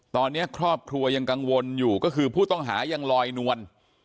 ตอนนี้ครอบครัวยังกังวลอยู่ก็คือผู้ต้องหายังลอยนวล